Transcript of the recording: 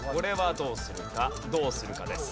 どうするかです。